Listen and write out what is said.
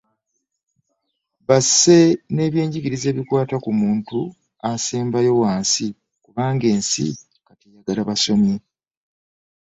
Basse n'ebyenjigiriza ebikwata ku muntu asembayo wansi kubanga ensi kati eyagala basomye.